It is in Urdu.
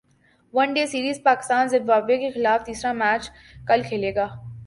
ون ڈے سیریزپاکستان زمبابوے کیخلاف تیسرا میچ کل کھیلے گا